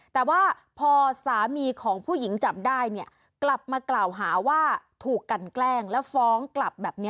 แต่ว่าพอสามีของผู้หญิงจับได้เนี่ยกลับมากล่าวหาว่าถูกกันแกล้งแล้วฟ้องกลับแบบนี้